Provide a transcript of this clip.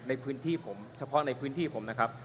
ในพื้นที่ผมเฉพาะในพื้นที่ผมนะครับ